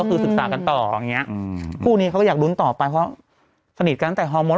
ก็คือศึกษากันต่ออย่างเงี้อืมคู่นี้เขาก็อยากลุ้นต่อไปเพราะสนิทกันตั้งแต่ฮอร์โม